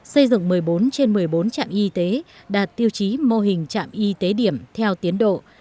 xây dựng một mươi bốn trên một mươi bốn trạm y tế đạt tiêu chí mô hình trạm y tế điểm theo tiến độ